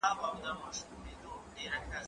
زه به اوږده موده د ښوونځی لپاره تياری کړی وم!!